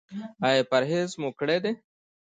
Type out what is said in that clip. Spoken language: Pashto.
ایا پرهیز مو کړی دی؟